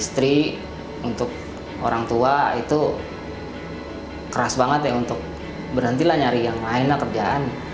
istri untuk orang tua itu keras banget ya untuk berhentilah nyari yang lain lah kerjaan